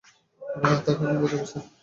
তাকে আমি বুঝাবো, স্যার।